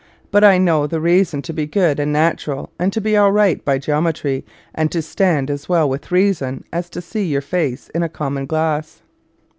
But I know the reason to be good and natural and to be arright by geometry, and to stand as well with reason as to see your face in a common glasse."